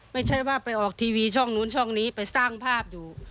ไม่ใช่ว่าไปออกทีวีช่องนู้นช่องนี้ไปสร้างภาพอยู่